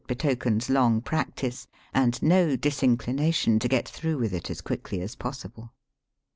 225 betokens long practice and no disinclination to get through with it as quickly as possible.